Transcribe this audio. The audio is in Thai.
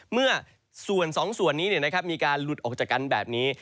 เมื่อส่วน๒ส่วนนี้มีการหลุดออกจากกันแบบนี้